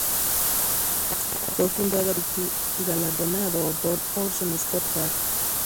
Fue fundada por el multi galardonado autor Orson Scott Card.